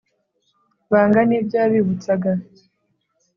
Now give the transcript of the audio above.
banga n ibyo yabibutsaga